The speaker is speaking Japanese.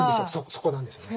そこなんですよね。